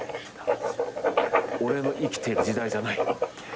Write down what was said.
俺の生きている時代じゃないって。